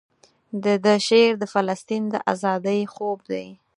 دده شعر د فلسطین د ازادۍ خوب دی.